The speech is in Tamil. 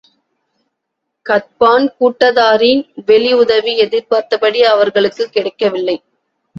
கத்பான் கூட்டத்தாரின் வெளி உதவி எதிர்பார்த்தபடி அவர்களுக்குக் கிடைக்கவில்லை.